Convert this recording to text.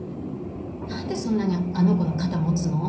何でそんなにあの子の肩持つの？